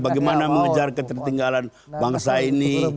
bagaimana mengejar ketertinggalan bangsa ini